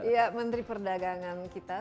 ya menteri perdagangan kita